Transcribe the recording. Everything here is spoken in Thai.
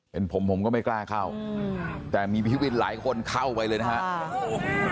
เป็นผมผมก็ไม่กล้าเข้าแต่มีพี่วินหลายคนเข้าไปเลยนะครับ